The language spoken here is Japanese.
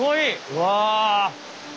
うわ！